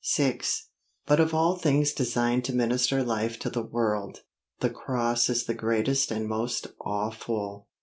VI But of all things designed to minister life to the world, the Cross is the greatest and most awful.